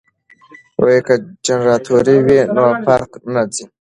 که جنراتور وي نو برق نه ځي.